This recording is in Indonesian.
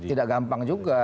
tidak gampang juga